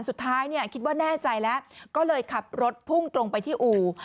สุดท้ายเนี่ยคิดว่าแน่ใจแล้วก็เลยขับรถพุ่งตรงไปที่อู่